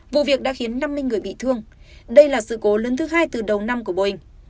vụ việc đã khiến năm mươi người bị thương đây là sự cố lớn thứ hai từ đầu năm của boeing